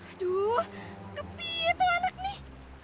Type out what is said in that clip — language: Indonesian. aduh kepi itu anak nih